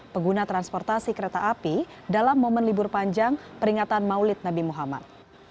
pengguna transportasi kereta api dalam momen libur panjang peringatan maulid nabi muhammad